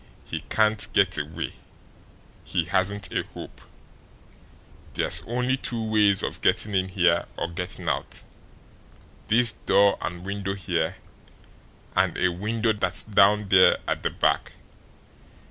He can't get away; he hasn't a hope! There's only two ways of getting in here or getting out this door and window here, and a window that's down there at the back.